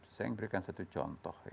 saya memberikan satu contoh ya